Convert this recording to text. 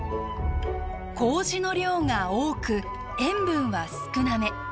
こうじの量が多く塩分は少なめ。